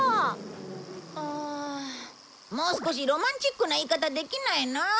もう少しロマンチックな言い方できないの？